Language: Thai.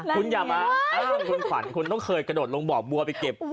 คุณอย่านะคุณขวัญแค่ถึงเกิดค่อยกระโดดกลงมวกมัวผู้ต้องกิน